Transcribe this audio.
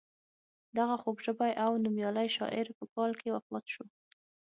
دغه خوږ ژبی او نومیالی شاعر په کال کې وفات شو.